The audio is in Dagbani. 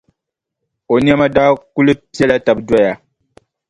O nɛma daa kuli pela taba doya.